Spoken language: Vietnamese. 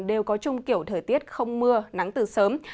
đều có chung kiểu thời tiết không mưa nắng từ sớm